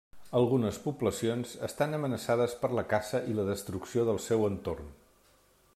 Algunes poblacions estan amenaçades per la caça i la destrucció del seu entorn.